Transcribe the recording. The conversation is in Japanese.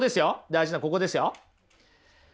大事なここですよ。